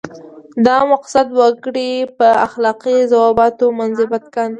دا مقصد وګړي په اخلاقي ضوابطو منضبط کاندي.